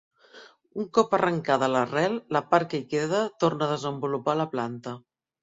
Un cop arrencada l'arrel la part que hi queda torna a desenvolupar la planta.